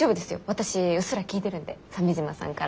私うっすら聞いてるんで鮫島さんから。